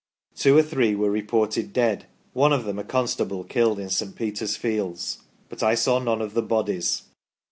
Two or three were reported dead, one of them a constable killed in St. Peter's fields, but I saw none of the bodies."